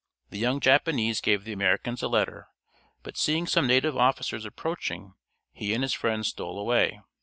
The young Japanese gave the Americans a letter, but seeing some native officers approaching, he and his friend stole away.